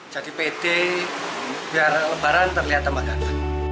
jadi pede biar lebaran terlihat tambah ganteng